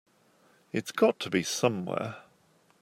It's got to be somewhere.